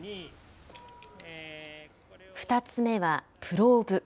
２つ目はプローブ。